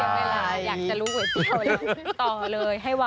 อยากจะรู้ก๋วยเตี๋ยวเลยต่อเลยให้ไว